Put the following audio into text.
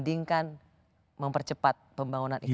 dan mempercepat pembangunan ikn